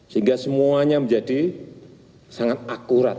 sehingga semuanya menjadi sangat akurat